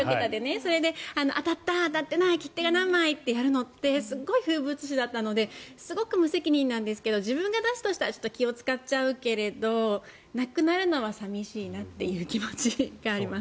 それで当たった、当たってない切手が何枚ってやるのが風物詩だったので無責任なんですが自分が出すとしたら気を使っちゃうけどなくなるのは寂しいなという気持ちがあります。